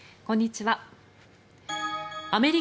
こんにちは。